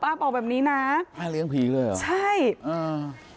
บอกแบบนี้นะป้าเลี้ยงผีเลยเหรอใช่อ่า